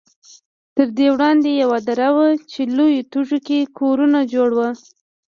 تر دې وړاندې یوه دره وه چې لویو تیږو کې کورونه جوړ وو.